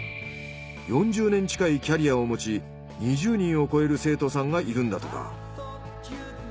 ４０年近いキャリアを持ち２０人を超える生徒さんがいるんだとか。